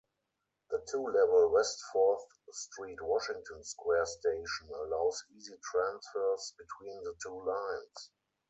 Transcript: The two-level West Fourth Street-Washington Square station allows easy transfers between the two lines.